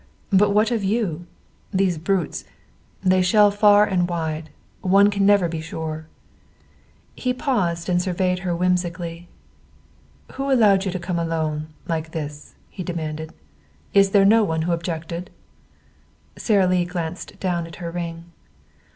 But what of you? These brutes they shell far and wide. One can never be sure." He paused and surveyed her whimsically. "Who allowed you to come, alone, like this?" he demanded. "Is there no one who objected?" Sara Lee glanced down at her ring.